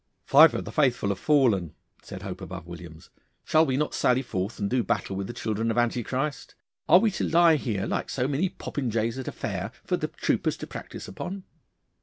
'Five of the faithful have fallen,' said Hope above Williams. 'Shall we not sally forth and do battle with the children of Antichrist? Are we to lie here like so many popinjays at a fair for the troopers to practise upon?